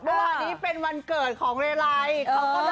วันดีเป็นวันเกิดของเตรียมเร่อไลว์